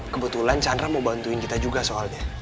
kebetulan chandra mau bantuin kita juga soalnya